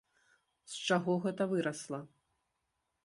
З чаго гэта вырасла?